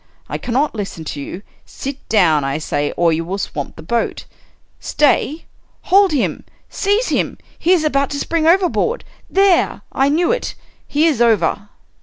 I cannot listen to you. Sit down, I say, or you will swamp the boat. Stay — hold him — seize him! — he is about to spring overboard! There — I knew it — he is over!